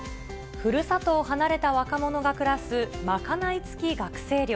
ふるさとを離れた若者が暮らす賄いつき学生寮。